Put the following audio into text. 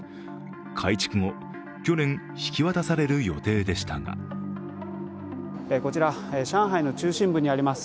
改築後、去年引き渡される予定でしたがこちら、上海の中心部にあります